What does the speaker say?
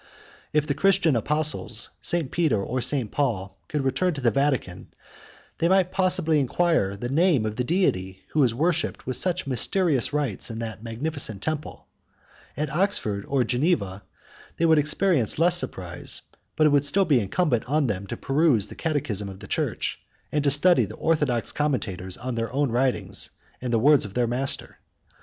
If the Christian apostles, St. Peter or St. Paul, could return to the Vatican, they might possibly inquire the name of the Deity who is worshipped with such mysterious rites in that magnificent temple: at Oxford or Geneva, they would experience less surprise; but it might still be incumbent on them to peruse the catechism of the church, and to study the orthodox commentators on their own writings and the words of their Master.